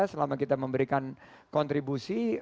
selama kita memberikan kontribusi